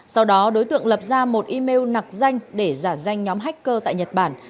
sau đó đối tượng lập ra một email nặc danh để giả danh nhóm hacker tại nhật bản